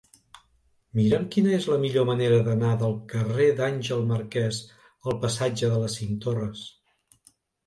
Mira'm quina és la millor manera d'anar del carrer d'Àngel Marquès al passatge de les Cinc Torres.